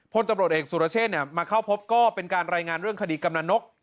พลตำรวจเอกสุรเชษมาเข้าพบก็เป็นการรายงานเรื่องคดีกำลังนก